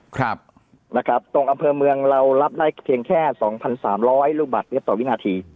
ครับนะครับตรงอำเภอเมืองเรารับได้เพียงแค่สองพันสามร้อยลูกบาทเมตรต่อวินาที